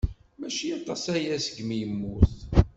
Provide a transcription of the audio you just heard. Mačči aṭas-aya seg mi yemmut.